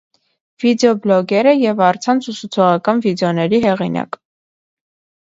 Վիդեոբլոգեր է և առցանց ուսուցողական վիդեոների հեղինակ։